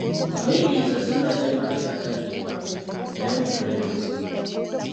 Omuyigiriza ssi Nnakyemalira ataddibwamu, naye mukulembeze.